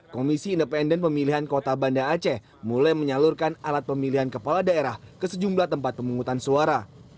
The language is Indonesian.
komisi independen pemilihan kota banda aceh mulai menyalurkan alat pemilihan kepala daerah ke sejumlah tempat pemungutan suara